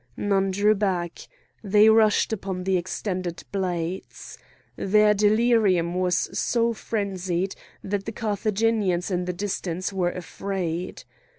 None drew back. They rushed upon the extended blades. Their delirium was so frenzied that the Carthaginians in the distance were afraid.